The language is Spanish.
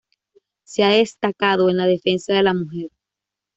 Se ha destacado en la defensa de la mujer.